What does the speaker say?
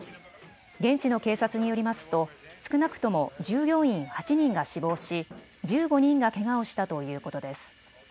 現地の警察によりますと少なくとも従業員８人が死亡し１５人がけがをしたということです。